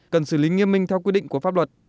cần xử lý nghiêm minh theo quy định của pháp luật